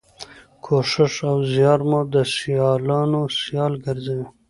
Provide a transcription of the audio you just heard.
کوښښ او زیار مو د سیالانو سیال ګرځوي.